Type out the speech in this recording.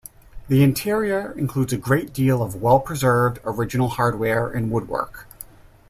The interior includes a great deal of well-preserved original hardware and woodwork.